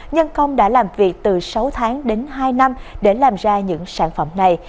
nhân công đã làm việc từ sáu tháng đến hai năm để làm ra những sản phẩm này